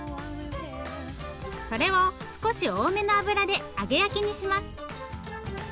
それを少し多めの油で揚げ焼きにします。